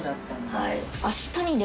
はい。